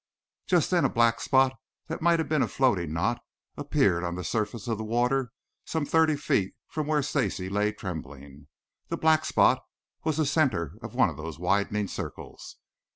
Just then a black spot that might have been a floating knot appeared on the surface of the water some thirty feet from where Stacy lay trembling. The black spot was the center of one of those widening circles.